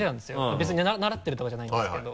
別に習ってるとかじゃないんですけど。